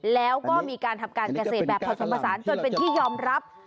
แล้วก็มีการทำการเกษตรแบบผสมผสานจนเป็นที่ยอมรับ